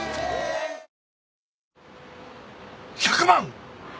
１００万！？